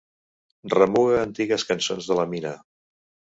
Remuga antigues cançons de la Mina.